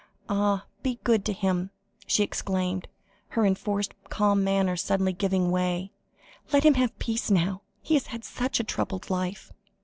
Ah! be good to him," she exclaimed, her enforced calm of manner suddenly giving way; "let him have peace now; he has had such a troubled life."